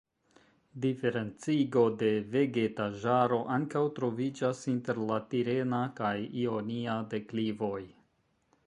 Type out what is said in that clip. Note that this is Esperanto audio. Diferencigo de vegetaĵaro ankaŭ troviĝas inter la tirena kaj ionia deklivoj.